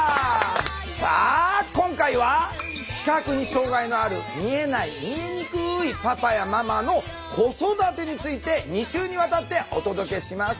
さあ今回は視覚に障害のある見えない見えにくいパパやママの子育てについて２週にわたってお届けします。